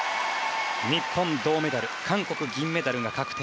日本、銅メダル韓国、銀メダルが確定。